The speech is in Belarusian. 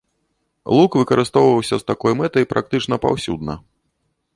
Лук выкарыстоўваўся з такой мэтай практычна паўсюдна.